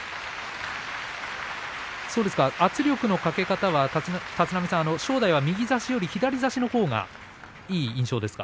そうですか、圧力のかけ方は立浪さん、正代は右差しより左差しのほうがいい印象ですか。